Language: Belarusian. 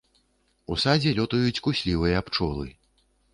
У садзе лётаюць куслівыя пчолы.